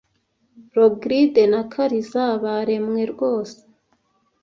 Rogride na Kariza baremwe rwose.